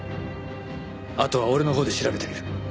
あとは俺のほうで調べてみる。